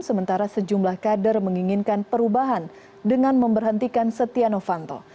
sementara sejumlah kader menginginkan perubahan dengan memberhentikan setia novanto